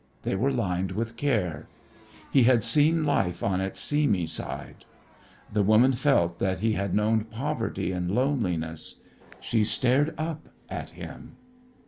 They were lined with care. He had seen life on its seamy side. The woman felt that he had known poverty and loneliness. She stared up at him.